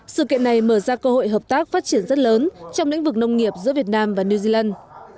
sự kiện này mở ra cơ hội hợp tác phát triển rất lớn trong lĩnh vực nông nghiệp giữa việt nam và new zealand